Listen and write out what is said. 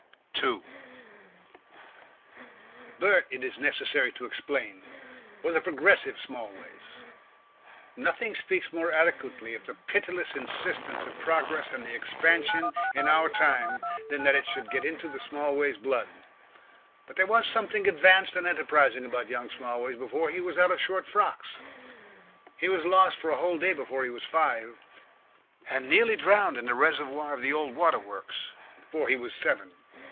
2 Bert, it is necessary to explain, was a progressive Smallways. Nothing speaks more eloquently of the pitiless insistence of progress and expansion in our time than that it should get into the Smallways blood. But there was something advanced and enterprising about young Smallways before he was out of short frocks. He was lost for a whole day before he was five, and nearly drowned in the reservoir of the new water works before he was seven.